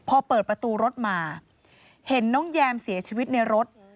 พอเปิดประตูรถมาเห็นน้องแยมเสียชีวิตในรถ